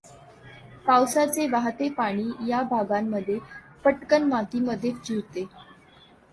पावसाचे वाहते पाणी या भागांमध्ये पटकन मातीमध्ये जिरते.